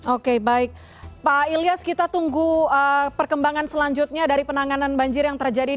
oke baik pak ilyas kita tunggu perkembangan selanjutnya dari penanganan banjir yang terjadi